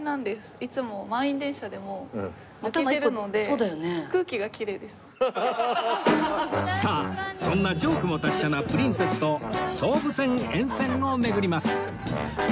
いつも満員電車でも抜けてるのでさあそんなジョークも達者なプリンセスと総武線沿線を巡ります